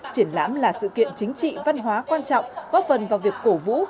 triển lãm là sự kiện chính trị văn hóa quan trọng góp phần vào việc cổ vũ